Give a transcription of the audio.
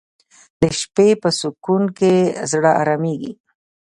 د شپې په سکون کې زړه آرامیږي